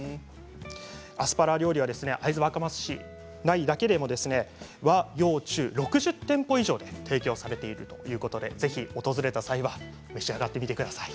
アスパラ料理は会津若松市内だけでも和洋中６０店舗以上で提供されているということでぜひ訪れた際は召し上がってみてください。